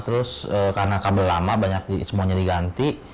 terus karena kabel lama banyak semuanya diganti